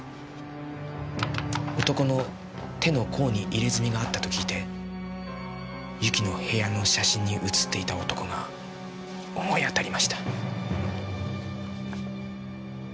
男の手の甲に入れ墨があったと聞いて由紀の部屋の写真に写っていた男が思い当たりました。